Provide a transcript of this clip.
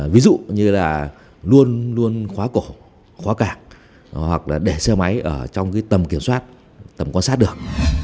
ví dụ như là luôn luôn khóa cổ khóa cảng hoặc là để xe máy ở trong cái tầm kiểm soát tầm quan sát được